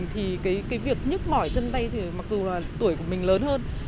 thì cái việc nhức mỏi chân tay thì mặc dù là tuổi của mình lớn hơn